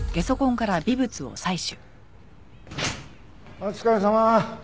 お疲れさま。